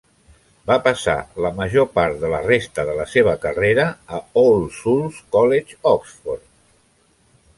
Va passar la major part de la resta de la seva carrera a All Souls College, Oxford.